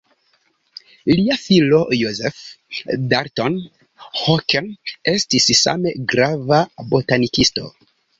Lia filo Joseph Dalton Hooker estis same grava botanikisto.